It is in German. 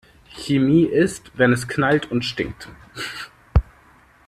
Chemie ist, wenn es knallt und stinkt.